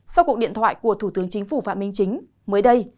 sau cuộc điện thoại của thủ tướng chính phủ phạm minh chính mới đây